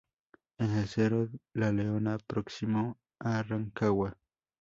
En el cerro la Leona, próximo a Rancagua.